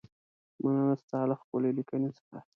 مننه ستا له ښکلې لیکنې څخه.